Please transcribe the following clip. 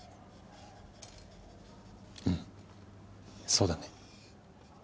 うんそうだね。